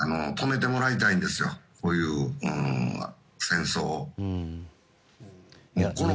止めてもらいたいんですよこういう戦争は。